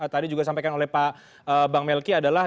tadi juga sampaikan oleh pak bang melki adalah